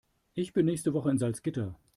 Ich bin nächste Woche in Salzgitter